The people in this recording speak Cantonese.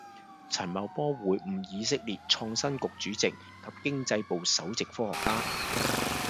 陳茂波會晤以色列創新局主席及經濟部首席科學家